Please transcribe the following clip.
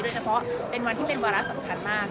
เฉพาะเป็นวันที่เป็นวาระสำคัญมาก